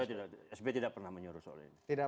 pak sby tidak pernah menyuruh soal ini